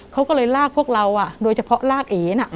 เขาก็เลยลากพวกเราโดยเฉพาะลากเอน่ะ